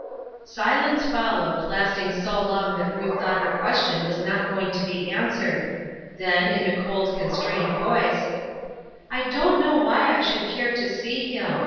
Silence followed, lasting so long that Ruth thought her question was not going to be an swered ; then, in a cold, constrained voice :" I don't know why I should care to see him.